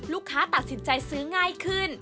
ตัดสินใจซื้อง่ายขึ้น